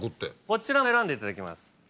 こちらから選んでいただきます。